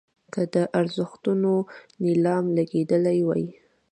که د ارزښتونو نیلام لګېدلی وي.